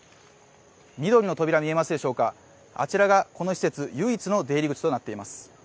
緑の扉が見えますでしょうか、あちらがこの施設、唯一の出入り口となっています。